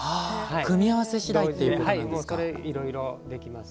組み合わせ次第ということなんですか。